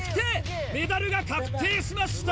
メダルが確定しました！